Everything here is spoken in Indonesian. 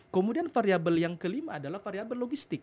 kemudian variabel yang kelima adalah variabel logistik